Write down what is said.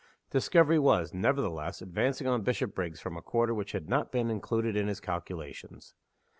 Discovery was, nevertheless, advancing on Bishopriggs from a quarter which had not been included in his calculations.